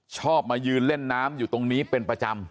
ชอบมายืนเล่นน้ำอยู่ตรงนี้เป็นประจำ